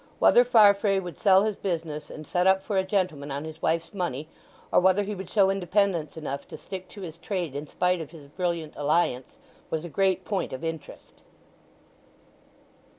Whether Farfrae would sell his business and set up for a gentleman on his wife's money, or whether he would show independence enough to stick to his trade in spite of his brilliant alliance, was a great point of interest.